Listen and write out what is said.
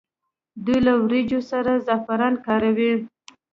دوی له وریجو سره زعفران کاروي.